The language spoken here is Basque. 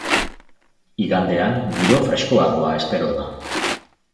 Igandean giro freskoagoa espero da.